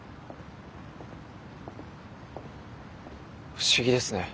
不思議ですね。